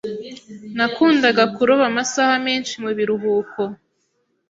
Nakundaga kuroba amasaha menshi mubiruhuko.